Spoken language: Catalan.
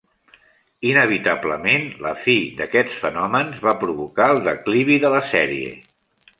Inevitablement, la fi d'aquests fenòmens va provocar el declivi de la sèrie.